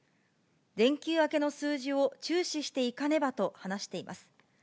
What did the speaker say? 連休明けの数字を注視していかねばと話しています。